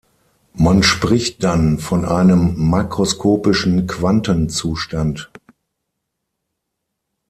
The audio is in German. Man spricht dann von einem makroskopischen Quantenzustand.